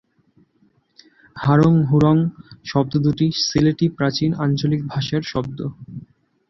হারং-হুরং শব্দ দুটি সিলেটি প্রাচীন আঞ্চলিক ভাষার শব্দ।